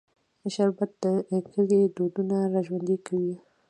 شربت د کلي دودونه راژوندي کوي